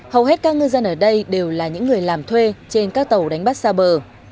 hầu hết các ngư dân ở đây đều là những người làm thuê trên các tàu đánh bắt xa bờ